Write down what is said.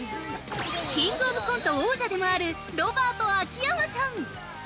キングオブコント王者でもあるロバート秋山さん。